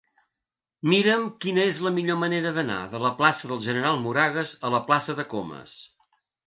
Mira'm quina és la millor manera d'anar de la plaça del General Moragues a la plaça de Comas.